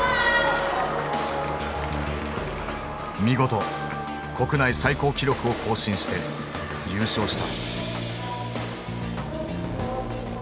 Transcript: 見事国内最高記録を更新して優勝した。